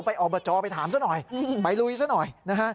อบจไปถามซะหน่อยไปลุยซะหน่อยนะฮะ